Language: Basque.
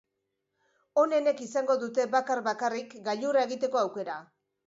Onenek izango dute bakar-bakarrik gailurra egiteko aukera.